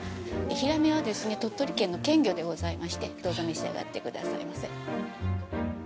ヒラメは鳥取県の県魚でございましてどうぞ召し上がってくださいませ。